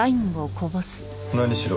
何しろ